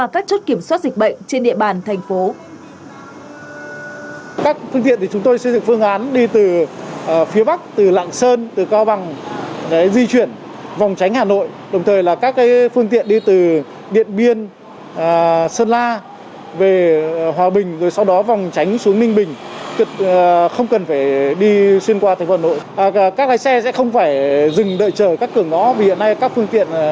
các địa phương khác có lộ trình không qua các chất kiểm soát dịch bệnh trên địa bàn thành phố